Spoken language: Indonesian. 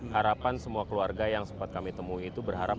harapan semua keluarga yang sempat kami temui itu berharap